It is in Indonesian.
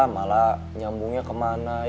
malah nyambungnya kemana